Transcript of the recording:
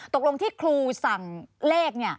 ตกลงที่ครูสั่งเลข